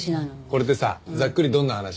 これってさざっくりどんな話？